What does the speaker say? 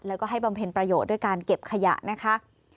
แล้วก็ให้บำเพ็ญประโยชน์ด้วยการเก็บขยะนะคะ